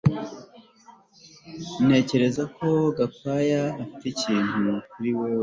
Ntekereza ko Gakwaya afite ikintu kuri wewe